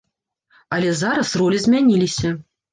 Але зараз ролі змяніліся!